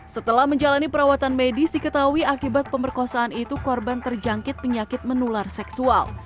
setelah menjalani perawatan medis diketahui akibat pemerkosaan itu korban terjangkit penyakit menular seksual